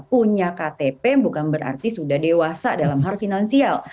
punya ktp bukan berarti sudah dewasa dalam hal finansial